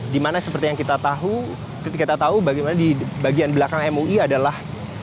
di mana seperti yang kita tahu bagaimana di bagian belakang mui adalah